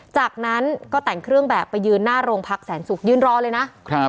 จากนั้นก็แต่งเครื่องแบบไปยืนหน้าโรงพักแสนศุกร์ยืนรอเลยนะครับ